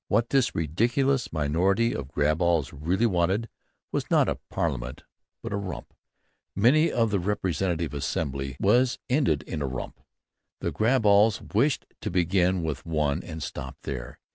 What this ridiculous minority of grab alls really wanted was not a parliament but a rump. Many a representative assembly has ended in a rump, The grab alls wished to begin with one and stop there.